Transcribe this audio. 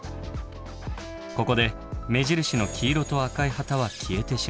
ここで目印の黄色と赤い旗は消えてしまいます。